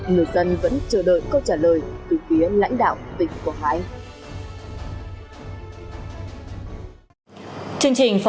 người dân vẫn chờ đợi câu trả lời từ phía lãnh đạo